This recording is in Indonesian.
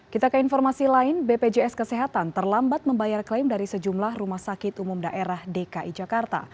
kita ke informasi lain bpjs kesehatan terlambat membayar klaim dari sejumlah rumah sakit umum daerah dki jakarta